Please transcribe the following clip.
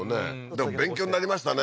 でも勉強になりましたね